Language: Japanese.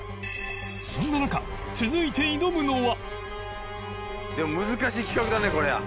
そんな中続いて挑むのはでも難しい企画だねこれは。